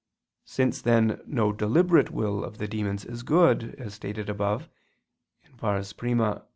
Since then no deliberate will of the demons is good, as stated above (I, Q.